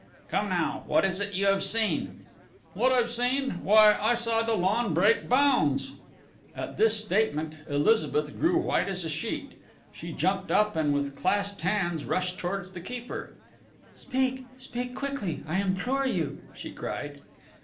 "Come now, what is it you have seen?" "What I've seen?... Why, I saw Dollon break bounds!" At this statement Elizabeth grew white as a sheet. She jumped up, and with clasped hands rushed towards the keeper: "Speak, speak quickly, I implore you!" she cried.